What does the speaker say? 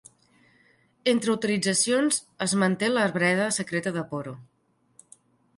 Entre utilitzacions és manté l'arbreda secreta de Poro.